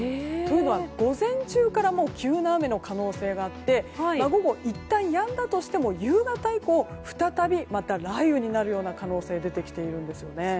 午前中から急な雨の可能性があって午後いったん、やんだとしても夕方以降再びまた雷雨になるような可能性が出てきているんです。